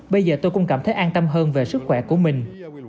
bây giờ tôi cũng cảm thấy an tâm hơn về sức khỏe của mình